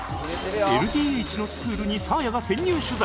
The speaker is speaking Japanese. ＬＤＨ のスクールにサーヤが潜入取材！